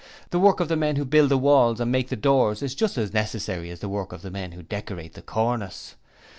The work of the men who build the walls and make the doors is just as necessary as the work of the men who decorate the cornice.